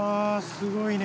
すごいね。